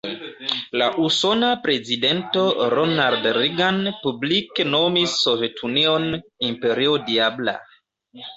La usona prezidento Ronald Reagan publike nomis Sovetunion, "imperio diabla".